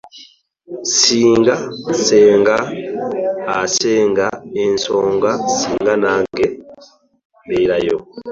Singa ssenga asenga essonga singa nange mberayo.